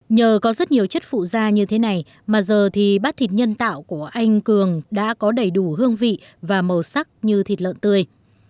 nhờ có rất nhiều chất phụ da như thế này mà giờ thì bát thịt nhân tạo của anh cường đã có đầy đủ hương vị và màu sắc như thịt lợn tươi